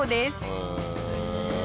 へえ。